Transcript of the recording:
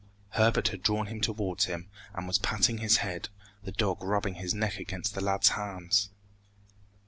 Herbert had drawn him towards him, and was patting his head, the dog rubbing his neck against the lad's hands.